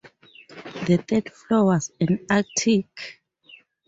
The third floor was an attic.